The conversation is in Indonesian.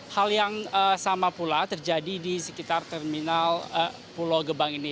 hal yang sama pula terjadi di sekitar terminal pulau gebang ini